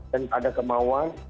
dan ada kemauan